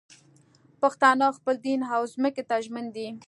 پښتانه خپل دین او ځمکې ته ژمن دي